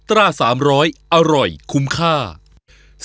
ตัวฉันอยู่ข้างใน